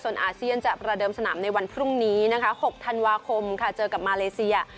ส่วนอาเซียนจะประเดิมสนามในวันพรุ่งนี้นะคะ๖ธันวาคมค่ะเจอกับมาเลเซีย